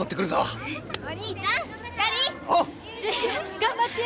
頑張ってや。